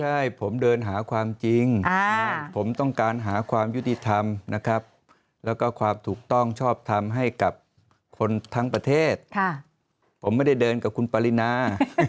ใช่ผมเดินหาความจริงผมต้องการหาความยุติธรรมนะครับแล้วก็ความถูกต้องชอบทำให้กับคนทั้งประเทศผมไม่ได้เดินกับคุณปรินา